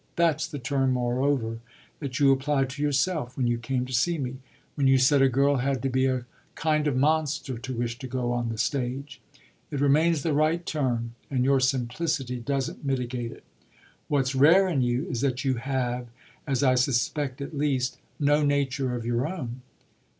That's the term, moreover, that you applied to yourself when you came to see me when you said a girl had to be a kind of monster to wish to go on the stage. It remains the right term and your simplicity doesn't mitigate it. What's rare in you is that you have as I suspect at least no nature of your own."